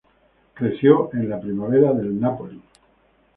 Creció en la "Primavera" del Napoli.